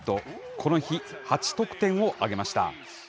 この日８得点を挙げました。